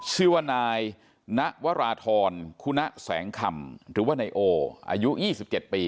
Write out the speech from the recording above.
ชื่อว่านายณวราธรคุณะแสงคำหรือว่านายโออายุ๒๗ปี